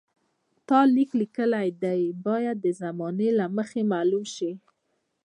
تا لیک لیکلی دی باید د زمانې له مخې معلوم شي.